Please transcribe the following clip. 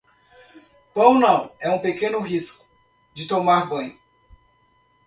Pão não é um pequeno risco de tomar banho.